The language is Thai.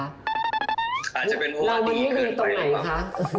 อาจจะเป็นเพราะว่าดีเกินไปเรามันไม่ดีตรงไหนคะ